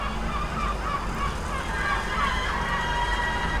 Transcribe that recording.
ان کے ٹائروں میں ہوا بھری گئی تھی۔